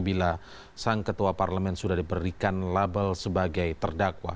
bila sang ketua parlemen sudah diberikan label sebagai terdakwa